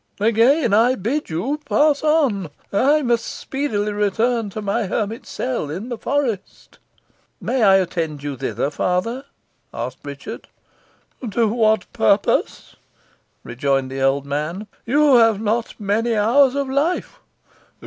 Again, I bid you pass on. I must speedily return to my hermit cell in the forest." "May I attend you thither, father?" asked Richard. "To what purpose?" rejoined the old man. "You have not many hours of life.